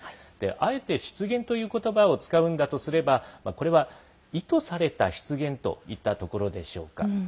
あえて失言ということばを使うんだとすればこれは、意図された失言といったところでしょうか。